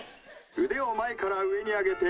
腕を前から上に上げて